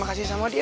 makasih sama dia